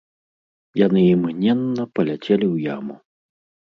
Яны імгненна паляцелі ў яму.